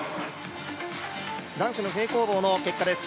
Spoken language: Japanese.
男子の平行棒の結果です。